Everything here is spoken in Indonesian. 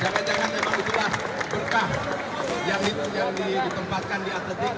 dan jangan jangan memang itulah berkah yang ditempatkan di atletik